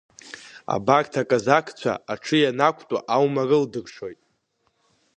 Абарҭ аказакцәа аҽы ианақәтәо аума рылдыршоит.